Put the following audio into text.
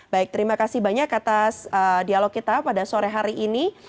baik terima kasih banyak atas dialog kita pada sore hari ini